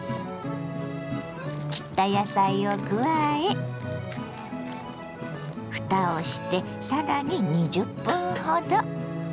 切った野菜を加えふたをしてさらに２０分ほど。